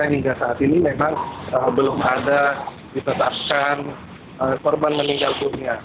hingga saat ini memang belum ada ditetapkan korban meninggal dunia